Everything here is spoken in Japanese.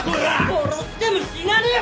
殺しても死なねえよ！